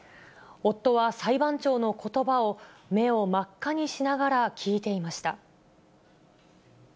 夫は裁判長のことばを、目を真っ赤にしながら聞いていました。